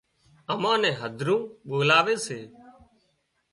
امان نين هڌرون ٻولاوي سي